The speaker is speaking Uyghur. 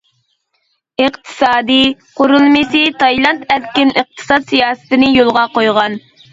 ئىقتىسادىي قۇرۇلمىسى تايلاند ئەركىن ئىقتىساد سىياسىتىنى يولغا قويغان.